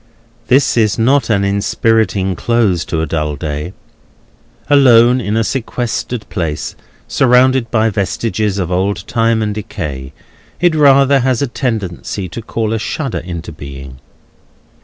This is not an inspiriting close to a dull day. Alone, in a sequestered place, surrounded by vestiges of old time and decay, it rather has a tendency to call a shudder into being.